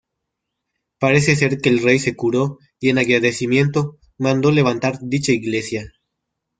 Parece ser que el rey se curó y en agradecimiento mandó levantar dicha iglesia.